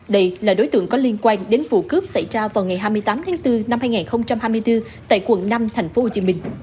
đây là đối tượng có liên quan đến vụ cướp xảy ra vào ngày hai mươi tám tháng bốn năm hai nghìn hai mươi bốn tại quận năm tp hcm